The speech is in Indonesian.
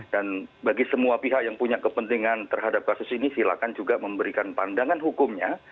bagi semua pihak yang punya kepentingan terhadap kasus ini silakan juga memberikan pandangan hukumnya